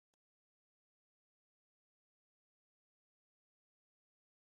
Der leit noch in kaai yn it laad.